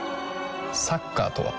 サッカーとは？